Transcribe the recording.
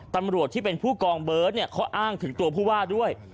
ตำรวจที่เป็นผู้กองเบิร์ตเขาอ้างถึงตัวผู้ว่าด้วย